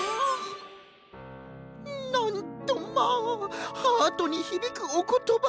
なんとまあハートにひびくおことばでございます。